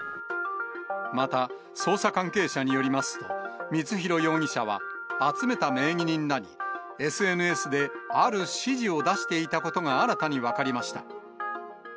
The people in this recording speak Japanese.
また、捜査関係者によりますと、光弘容疑者は集めた名義人らに、ＳＮＳである指示を出していたことが新たに分かりました。